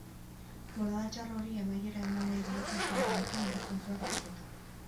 Bolada txar hori amaiera eman nahi diote asteburu honetan hiru puntuak lortuta.